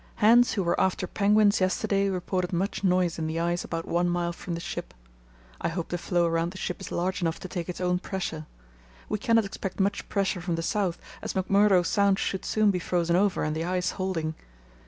Hands who were after penguins yesterday reported much noise in the ice about one mile from the ship. I hope the floe around the ship is large enough to take its own pressure. We cannot expect much pressure from the south, as McMurdo Sound should soon be frozen over and the ice holding.